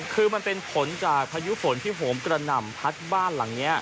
คือมันเป็นผลจากพายุฝนที่โหมกระหน่ำพัดบ้านหลังนี้